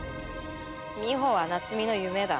みほは夏美の夢だ。